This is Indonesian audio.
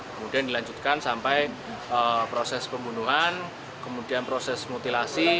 kemudian dilanjutkan sampai proses pembunuhan kemudian proses mutilasi